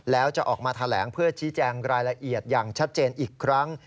แล้วจะออกมาแถลงเพื่อชี้แจงรายละเอียดอย่างชัดเจนอีกครั้ง